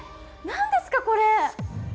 何ですかこれ？